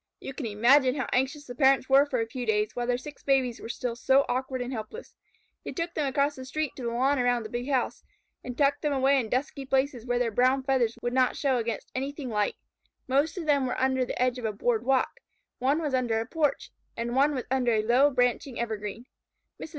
You can imagine how anxious the parents were for a few days, while their six babies were still so awkward and helpless. They took them across the street to the lawn around the big house, and tucked them away in dusky places where their brown feathers would not show against anything light. Most of them were under the edge of a board walk, one was under a porch, and one was under a low branching evergreen. Mrs.